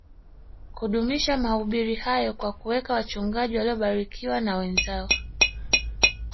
kudumisha mahubiri hayo kwa kuweka wachungaji waliobarikiwa na wenzao